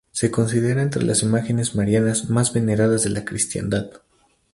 Se considera entre las imágenes marianas más veneradas de la cristiandad.